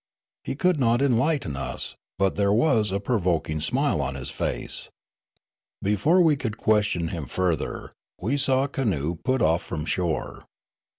He could not enlighten us; but there was a provoking smile on his face. Before we could question him further, we saw a canoe put off from shore.